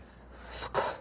そっか。